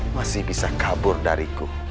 masih bisa kabur dariku